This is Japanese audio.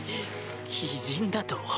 鬼人だと？